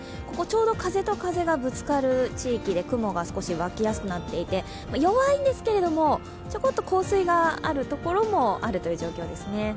ここ、ちょうど風と風がぶつかる地域で雲が少し湧きやすくなっていて、弱いんですけれどもちょこっと降水があるところもあるという状況ですね。